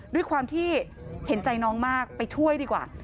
ด้วยความที่เห็นใจน้องมากไปช่วยดีกว่า